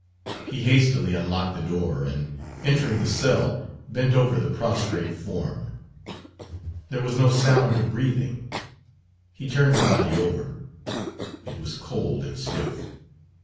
He hastily unlocked the door and, entering the cell, bent over the prostrate form. There was no sound of breathing; he turned the body over it was cold and stiff.